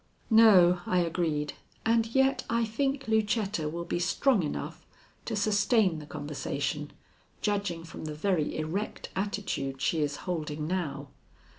"No," I agreed, "and yet I think Lucetta will be strong enough to sustain the conversation, judging from the very erect attitude she is holding now.